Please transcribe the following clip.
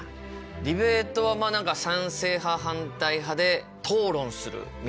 ディベートはまあ賛成派反対派で討論するみたいなものですかね？